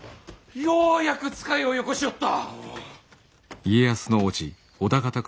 ようやく使いをよこしよった。